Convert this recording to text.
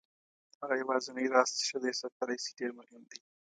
هغه یوازینی راز چې ښځه یې ساتلی شي ډېر مهم دی.